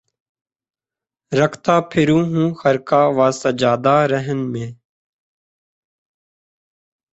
رکھتا پھروں ہوں خرقہ و سجادہ رہن مے